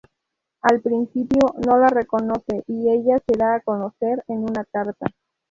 Al principio no la reconoce y ella se da a conocer en una carta.